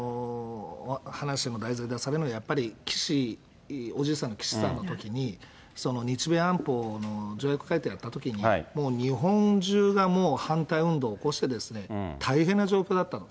安倍さんのよくね、話の題材に出すのが、やっぱり岸、おじいさん、岸さんのときに、日米安保の条約改定をやったときに、もう日本中がもう、反対運動を起こして、大変な状況だったの。